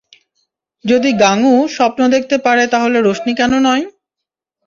যদি গাঙু স্বপ্ন দেখতে পারে তাহলে রশনি কেনো নয়?